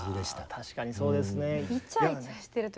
確かにそうですね。